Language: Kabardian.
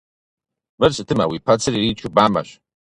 Мыр сытымэ, уи пэцыр иричу бамэщ!